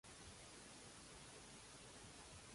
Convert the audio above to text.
Què és opcional a Mònegue?